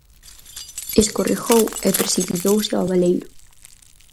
Escorregou e precipitouse ao baleiro.